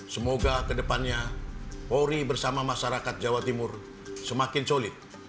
semoga kedepannya hori bersama masyarakat jawa timur semakin sulit